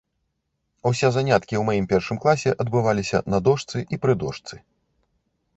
Усе заняткі ў маім першым класе адбываліся на дошцы і пры дошцы.